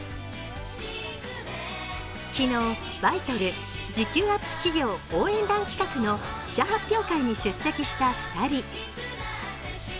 昨日、バイトル、時給ＵＰ企業応援団の企画の記者発表会に出席した２人。